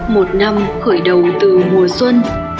một năm khởi đầu từ mùa xuân